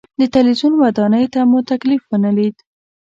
د تلویزیون ودانۍ ته مو تکلیف ونه لید.